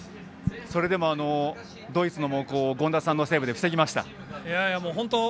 それでも、ドイツの猛攻を権田さんのセーブで防ぎました。